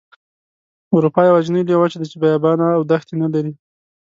اروپا یوازینۍ لویه وچه ده چې بیابانه او دښتې نلري.